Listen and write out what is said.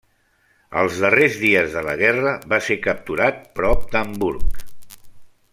Els darrers dies de la guerra va ser capturat prop d'Hamburg.